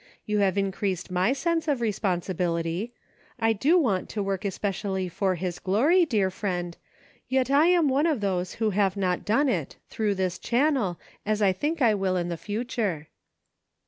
You have increased my sense of responsibility; I do want to work especially for his glory, dear friend, yet I am one of those who have not done it, through this channel, as I think I will in the future."